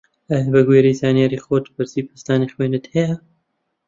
ئایا بە گوێرەی زانیاری خۆت بەرزی پەستانی خوێنت هەیە؟